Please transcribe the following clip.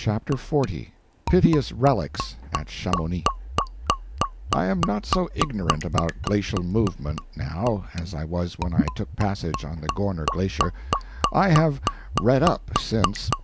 CHAPTER XL [Piteous Relics at Chamonix] I am not so ignorant about glacial movement, now, as I was when I took passage on the Gorner Glacier. I have "read up" since.